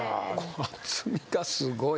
厚みがすごい。